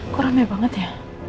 kok rame banget ya